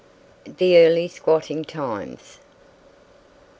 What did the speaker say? THE EARLY SQUATTING TIMES.